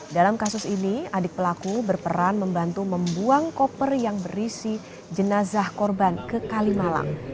dalam kasus ini adik pelaku berperan membantu membuang koper yang berisi jenazah korban ke kalimalang